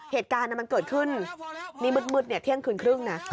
เหตุการณ์มันเกิดขึ้นนี่มืดเที่ยงคืนครึ่งนะ